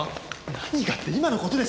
「何が？」って今の事です。